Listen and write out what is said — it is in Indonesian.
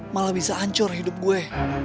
malah bisa hancur hidup gue